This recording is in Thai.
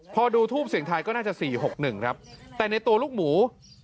พอดูทูปเสียงทายก็น่าจะ๔๖๑ครับแต่ในตัวลูกหมู